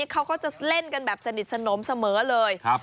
เขาก็จะเล่นกันแบบสนิทสนมเสมอเลย